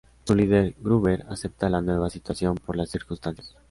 Su líder, Gruber, acepta la nueva situación por las circunstancias.